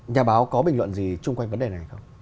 nhà báo có bình luận gì chung quanh vấn đề này không